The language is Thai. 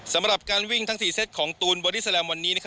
สำหรับการวิ่งทั้ง๔เซตของตูนบอดี้แลมวันนี้